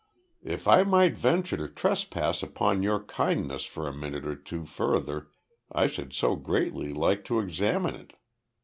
"If I might venture to trespass upon your kindness for a minute or two further I should so greatly like to examine it.